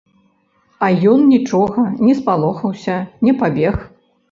А ён нічога, не спалохаўся, не пабег.